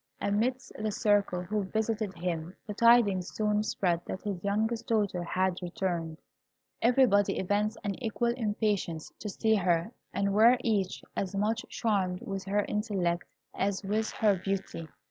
Amidst the circle who visited him the tidings soon spread that his youngest daughter had returned. Everybody evinced an equal impatience to see her, and were each as much charmed with her intellect as with her beauty.